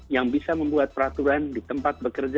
yang bisa membuat peraturan di tempat bekerja